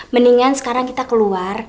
mendingan sekarang kita keluar